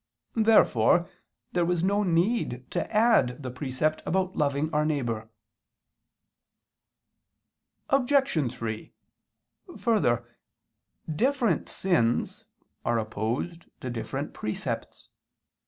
Therefore there was no need to add the precept about loving our neighbor. Obj. 3: Further, different sins are opposed to different precepts.